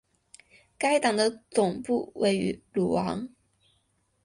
该党的总部位于鲁昂。